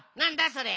それ。